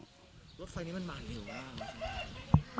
รถไฟนี้มันมาเหนียวหรือเปล่า